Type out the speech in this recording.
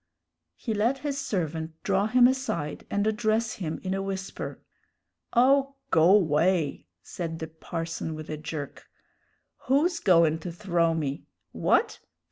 He let his servant draw him aside and address him in a whisper. "Oh, go 'way!" said the parson with a jerk. "Who's goin' to throw me? What?